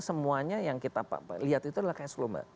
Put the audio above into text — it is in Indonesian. semuanya yang kita lihat itu adalah cash flow mbak